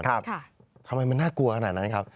ทำไมมันน่ากลัวขนาดนั้นครับ